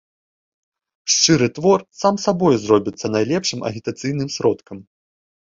Шчыры твор сам сабою зробіцца найлепшым агітацыйным сродкам.